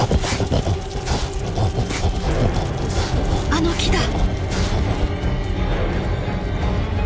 「あの木だ！」。